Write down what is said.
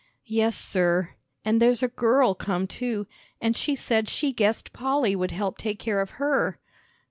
"Yes, sir; and there's a girl come too. And she said she guessed Polly would help take care of her."